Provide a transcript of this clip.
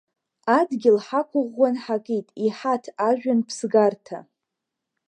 Адгьыл ҳақәыӷәӷәан ҳакит, иҳаҭ, ажәҩан, ԥсгарҭа.